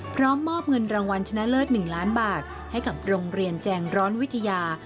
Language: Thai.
พร้อมมอบเงินรางวัลชนะเลิศ๑ล้านบาทให้กับโรงเรียนแจงร้อนวิทยา